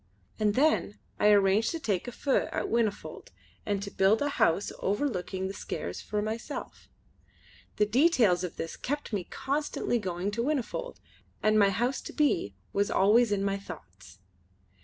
And then I arranged to take a feu at Whinnyfold and to build a house overlooking the Skares for myself. The details of this kept me constantly going to Whinnyfold, and my house to be was always in my thoughts.